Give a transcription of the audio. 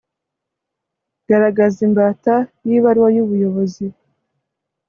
garagaza imbata y'ibaruway'ubuyobozi